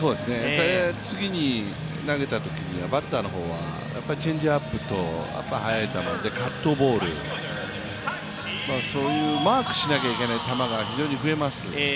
次に投げたときにはバッターの方はチェンジアップと速い球、カットボール、そういうマークしなきゃいけない球が非常に増えます。